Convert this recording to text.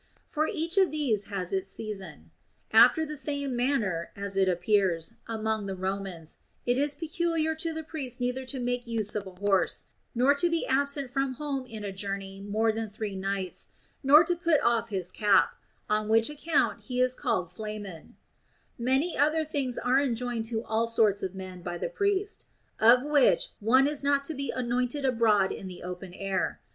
For each of these has its sea son. After the same manner (as it appears) among the Romans it is peculiar to the priest neither to make use of a horse, nor to be absent from home in a journey more than three nights, nor to put off his cap, on which account he is called Flamen * Many other things are enjoined to all sorts of men by the priest ; of which one is not to be anointed abroad in the open air.